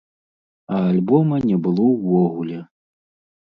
А альбома не было ўвогуле.